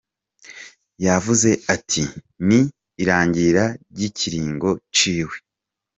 Yavuze ati: "Ni irangira ry'ikiringo ciwe.